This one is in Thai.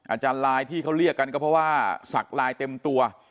อาจารย์ลายที่เขาเรียกกันก็เพราะว่าสักลายเต็มตัว